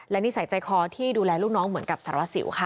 และนิสัยใจคอที่ดูแลลูกน้องเหมือนกับสารวัสสิวค่ะ